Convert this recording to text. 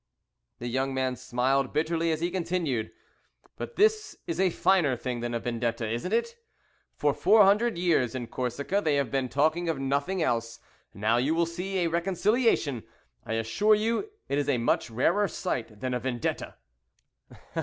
The young man smiled bitterly as he continued "But this is a finer thing than a Vendetta! isn't it? For four hundred years, in Corsica, they have been talking of nothing else. Now you will see a reconciliation. I assure you it is a much rarer sight than a Vendetta!"